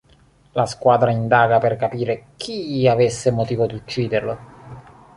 La squadra indaga per capire chi avesse motivo di ucciderlo.